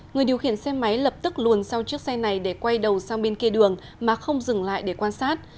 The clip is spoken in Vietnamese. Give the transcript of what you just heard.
người điều khiển xe máy lập tức luồn sau chiếc xe này để quay đầu sang bên kia đường mà không dừng lại để quan sát